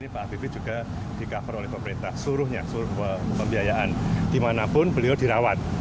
pak habibie juga di cover oleh pemerintah suruhnya suruh pembiayaan dimanapun beliau dirawat